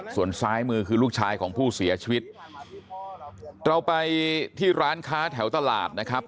ส่วนซ้ายมือคือลูกชายของผู้เสียชีวิตเราไปที่ร้านค้าแถวตลาดนะครับ